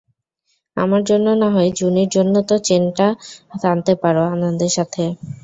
আমার জন্য না হয় জুনির জন্য তো চেন টা টানতে পারো আনন্দের সাথে।